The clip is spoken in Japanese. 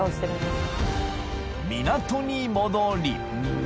［港に戻り］